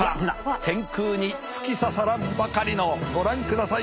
天空に突き刺さらんばかりのご覧ください